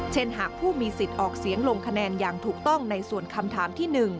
หากผู้มีสิทธิ์ออกเสียงลงคะแนนอย่างถูกต้องในส่วนคำถามที่๑